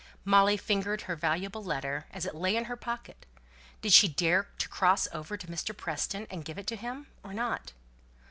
Molly fingered her valuable letter, as it lay in her pocket; did she dare to cross over to Mr. Preston, and give it to him, or not?